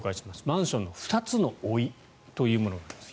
マンションの２つの老いというものがあります。